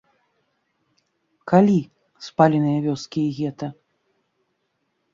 Калі, спаленыя вёскі і гета?